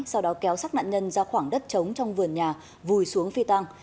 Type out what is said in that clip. sau đó kéo sát nạn nhân ra khoảng đất trống trong vườn nhà vùi xuống phi tăng